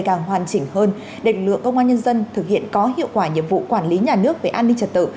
và hoàn chỉnh hơn để lựa công an nhân dân thực hiện có hiệu quả nhiệm vụ quản lý nhà nước về an ninh trật tự